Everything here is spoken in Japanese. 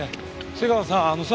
背川さんあのさ。